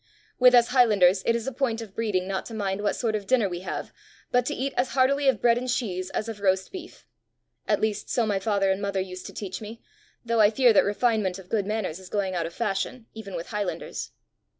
With us highlanders it is a point of breeding not to mind what sort of dinner we have, but to eat as heartily of bread and cheese as of roast beef. At least so my father and mother used to teach me, though I fear that refinement of good manners is going out of fashion even with highlanders."